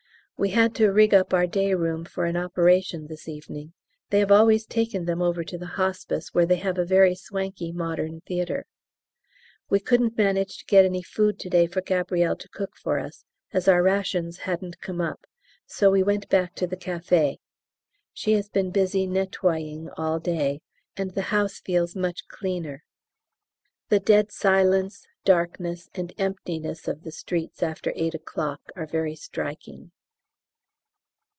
We had to rig up our day room for an operation this evening they have always taken them over to the Hospice, where they have a very swanky modern theatre. We couldn't manage to get any food to day for Gabrielle to cook for us, as our rations hadn't come up, so we went back to the café. She has been busy nettoying all day, and the house feels much cleaner. The dead silence, darkness, and emptiness of the streets after 8 o'clock are very striking.